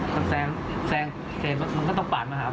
เค้าแซงแซงมันก็ต้องปาดมาหาผม